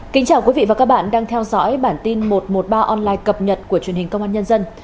kính chào quý vị và các bạn đang theo dõi bản tin một trăm một mươi ba online cập nhật của truyền hình công an nhân dân